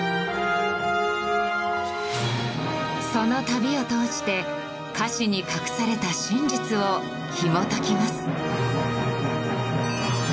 その旅を通して歌詞に隠された真実をひもときます。